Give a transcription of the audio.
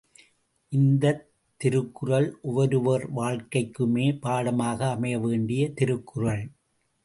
இந்தத் திருக்குறள் ஒவ்வொருவர் வாழ்க்கைக்குமே பாடமாக அமையவேண்டிய திருக்குறள்.